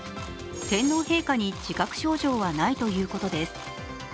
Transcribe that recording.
天皇陛下に自覚症状はないということです。